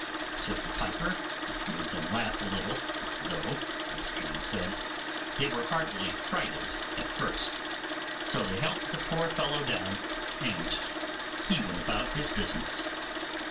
says the piper, which made them laugh a little though, as John said, they were heartily frighted at first; so they helped the poor fellow down, and he went about his business.